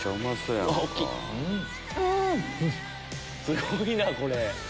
すごいなこれ。